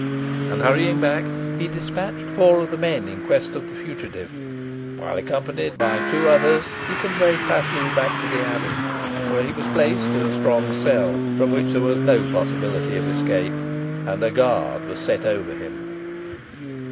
And hurrying back he dispatched four of the men in quest of the fugitive, while accompanied by the two others he conveyed Paslew back to the abbey, where he was placed in a strong cell, from which there was no possibility of escape, and a guard set over him.